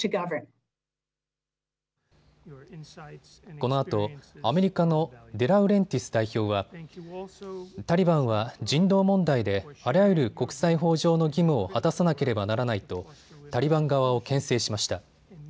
このあとアメリカのデラウレンティス代表は、タリバンは人道問題であらゆる国際法上のチームを果たさなければならないとタリバン側をけん制しました。